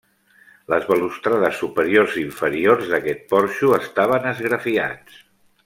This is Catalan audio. Les balustrades superiors i inferiors, d'aquest porxo, estaven esgrafiats.